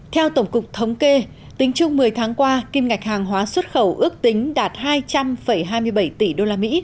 theo tổng cục thống kê tính chung một mươi tháng qua kim ngạch hàng hóa xuất khẩu ước tính đạt hai trăm hai mươi bảy tỷ usd